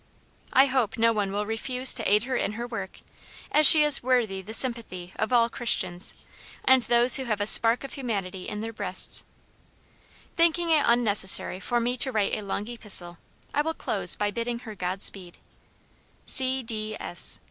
I hope no one will refuse to aid her in her work, as she is worthy the sympathy of all Christians, and those who have a spark of humanity in their breasts. Thinking it unnecessary for me to write a long epistle, I will close by bidding her God speed.